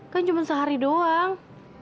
kan cuma sehari doang